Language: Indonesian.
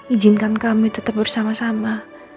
izinkan kami tetap bersama sama